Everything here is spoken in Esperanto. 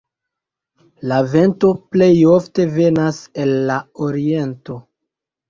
La vento plej ofte venas el la oriento.